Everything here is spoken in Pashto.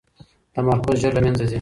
تمرکز ژر له منځه ځي.